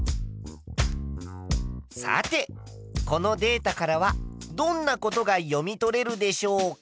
さてこのデータからはどんなことが読み取れるでしょうか？